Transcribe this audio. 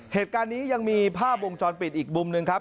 เหตุการณ์นี้ยังมีภาพวงจรปิดอีกมุมหนึ่งครับ